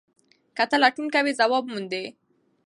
که ته لټون کوې ځواب موندې.